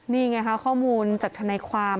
นี่ไงค่ะข้อมูลจากทนายความ